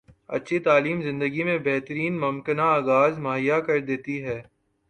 اچھی تعلیم زندگی میں بہترین ممکنہ آغاز مہیا کردیتی ہے